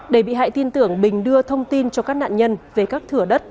để bị hại tin tưởng bình đưa thông tin cho các nạn nhân về các thửa đất